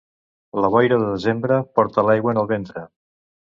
La boira de desembre porta l'aigua en el ventre.